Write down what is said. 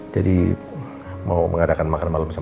jadi mau mengadakan makan malam sama sama